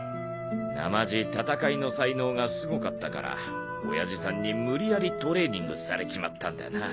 なまじ戦いの才能がすごかったから親父さんに無理やりトレーニングされちまったんだな。